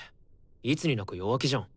いつになく弱気じゃん。